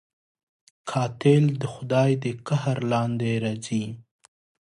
قاتل د خدای د قهر لاندې راځي